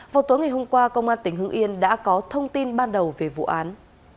vào tối ngày hôm qua công an tỉnh hưng yên đã có thông tin ban đầu về vụ án